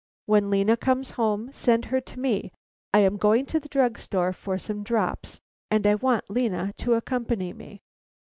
When Lena comes home, send her to me. I am going to the drug store for some drops, and I want Lena to accompany me."